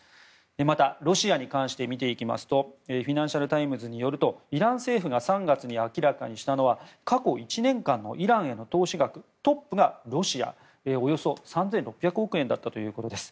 またロシアに関して見ていきますとフィナンシャル・タイムズによると、イラン政府が３月に明らかにしたのは過去１年間のイランへの投資額トップがロシアでおよそ３６００億円だったということです。